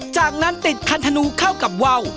จากนั้นติดพันธนูเข้ากับว่าว